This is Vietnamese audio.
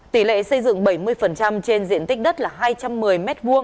tỷ lệ xây dựng bảy mươi trên diện tích đất là hai trăm một mươi m hai